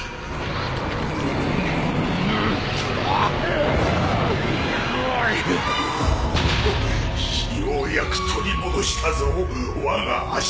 ようやく取り戻したぞわが足！